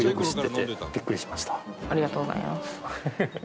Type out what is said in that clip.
ありがとうございます。